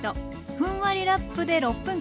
ふんわりラップで６分間。